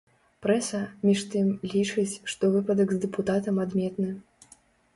Прэса, між тым, лічыць, што выпадак з дэпутатам адметны.